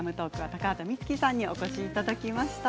高畑充希さんにお越しいただきました。